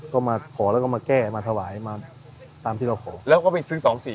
ก็มาขอแล้วก็มาแก้มาถวายมาตามที่เราขอแล้วก็ไปซื้อ๒๔